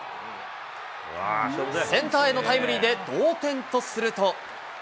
センターへのタイムリーで同点とすると。